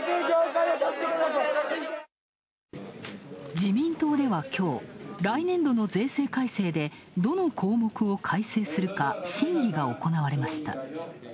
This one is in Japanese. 自民党では、きょう、来年度の税制改正でどの項目を改正するか審議が行われました。